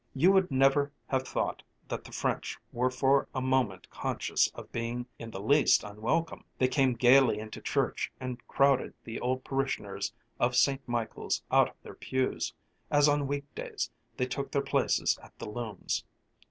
You would never have thought that the French were for a moment conscious of being in the least unwelcome. They came gayly into church and crowded the old parishioners of St. Michael's out of their pews, as on week days they took their places at the looms.